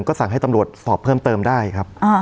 ก็สั่งให้ตำรวจสอบเพิ่มเติมได้ครับ